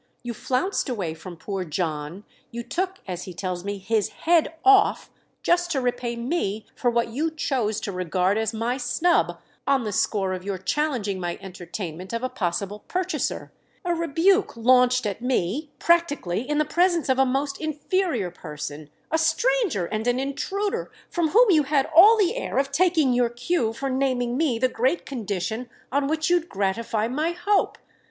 You flounced away from poor John, you took, as he tells me, 'his head off,' just to repay me for what you chose to regard as my snub on the score of your challenging my entertainment of a possible purchaser; a rebuke launched at me, practically, in the presence of a most inferior person, a stranger and an intruder, from whom you had all the air of taking your cue for naming me the great condition on which you'd gratify my hope.